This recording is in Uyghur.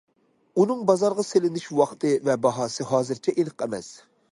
ئۇنىڭ بازارغا سېلىنىش ۋاقتى ۋە باھاسى ھازىرچە ئېنىق ئەمەس.